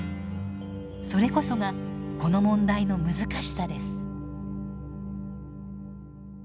それこそがこの問題の難しさです。